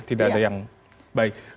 tidak ada yang baik